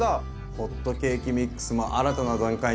ホットケーキミックスも新たな段階に突入ですね。